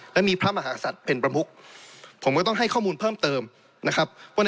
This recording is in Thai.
ก็กอเลแซวีเดนนิวซีแลนด์